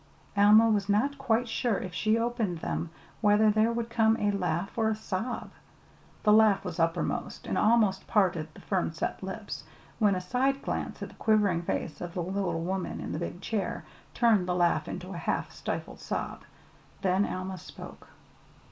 Alma was not quite sure, if she opened them, whether there would come a laugh or a sob. The laugh was uppermost and almost parted the firm set lips, when a side glance at the quivering face of the little woman in the big chair turned the laugh into a half stifled sob. Then Alma spoke.